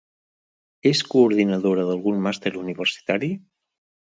És coordinadora d'algun màster universitari?